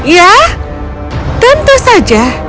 ya tentu saja